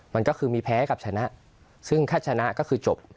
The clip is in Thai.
มันก็คือมีแพ้กับชนะซึ่งถ้าชนะก็คือจบ